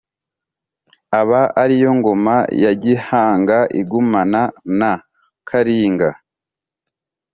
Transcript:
aba ariyo ngoma ya gihanga igumana na karinga,